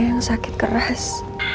yang sakit keras